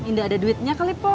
nggak ada duitnya kali po